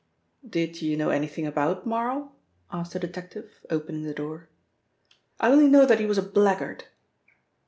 "Did you know anything about Marl?" asked the detective, opening the door. "I only know that he was a blackguard."